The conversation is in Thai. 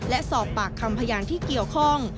และสอบปากคำพยานที่เกี่ยวข้อง